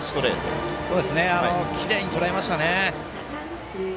きれいにとらえましたね。